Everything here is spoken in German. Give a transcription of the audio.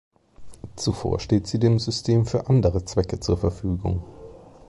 Zuvor steht sie dem System für andere Zwecke zur Verfügung.